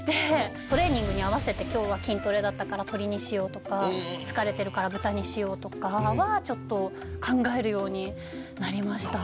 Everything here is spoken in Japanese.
今日は筋トレだったから鶏にしようとか疲れてるから豚にしようとかはちょっと考えるようになりました。